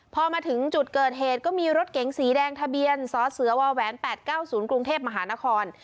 พอมาถึงจุดเกิดเหตุก็มีรถเก๋งสีแดงทะเบียนสเสว๘๙๐กรุงเทพมหานคร